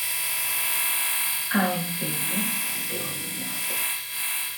I'm famous for doing nothing.